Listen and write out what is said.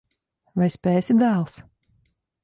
Vai spēsi, dēls?